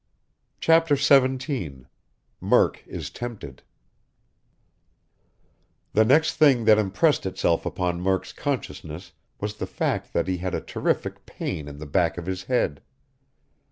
CHAPTER XVII MURK IS TEMPTED The next thing that impressed itself upon Murk's consciousness was the fact that he had a terrific pain in the back of his head.